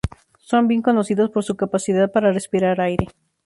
Son bien conocidos por su capacidad para respirar aire.